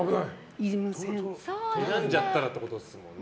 選んじゃったらってことですもんね。